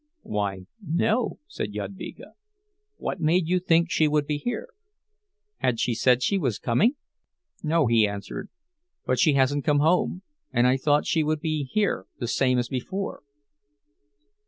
"Why, no," said Jadvyga. "What made you think she would be here? Had she said she was coming?" "No," he answered. "But she hasn't come home—and I thought she would be here the same as before."